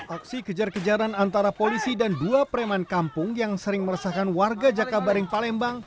aksi kejar kejaran antara polisi dan dua preman kampung yang sering meresahkan warga jakabaring palembang